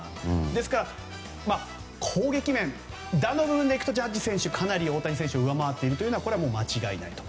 ですから攻撃面でいくとジャッジ選手は大谷選手を上回っているのは間違いないと。